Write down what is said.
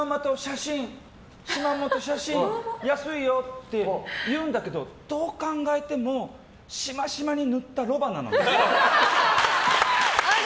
シマウマと写真安いよ！って言うんだけどどう考えてもシマシマに塗ったロバなの。